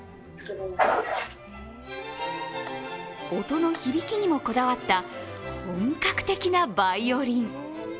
音の響きにもこだわった本格的なバイオリン。